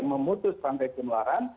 memutus rantai penularan